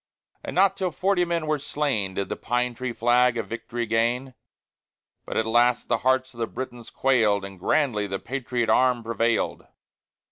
And not till forty men were slain, Did the pine tree flag a victory gain; But at last the hearts of the Britons quailed, And grandly the patriot arm prevailed.